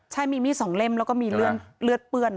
ใช่มีมีดสองเล่มแล้วก็มีเลือดเปื้อน